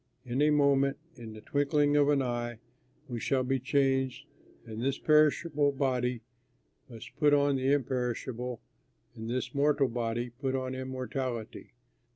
In a moment, in the twinkling of an eye, we shall be changed and this perishable body must put on the imperishable and this mortal body put on immortality.